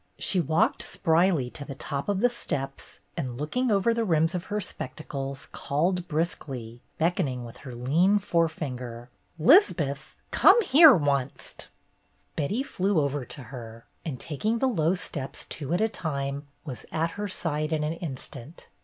She walked spryly to the top of the steps and looking over the rims of her spectacles, called briskly, beckoning with her lean forefinger: "'Liz'beth, come here oncet!" THE TWINE WASH RAG 157 Betty flew over to her, and taking the low steps two at a time, was at her side in an instant.